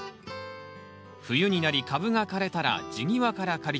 冬になり株が枯れたら地際から刈り取り